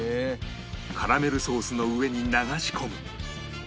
カラメルソースの上に流し込む